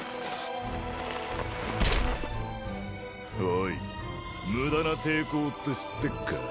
おいムダな抵抗って知ってっか？